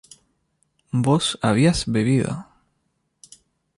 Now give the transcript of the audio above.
vos habías bebido